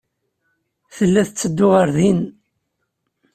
Tella tetteddu ɣer din.